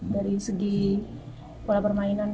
dari segi pola permainan